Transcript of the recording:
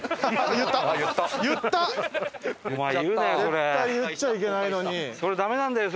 絶対言っちゃいけないのに。